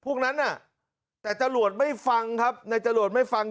พวกนั้นน่ะแต่จรวดไม่ฟังครับในจรวดไม่ฟัง